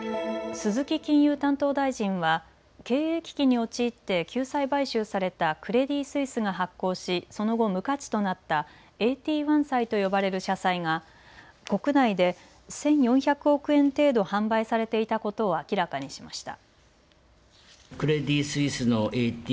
鈴木金融担当大臣は経営危機に陥って救済買収されたクレディ・スイスが発行しその後、無価値となったＡＴ１債と呼ばれる社債が国内で１４００億円程度販売されていたことを明らかにしました。